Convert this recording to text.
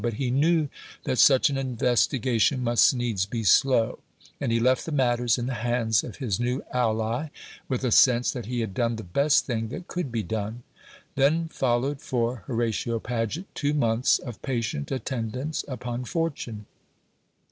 But he knew that such an investigation must needs be slow, and he left the matters in the hands of his new ally with a sense that he had done the best thing that could be done. Then followed for Horatio Paget two months of patient attendance upon fortune.